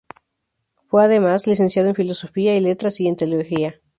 Fue, además, licenciado en Filosofía y Letras y en Teología.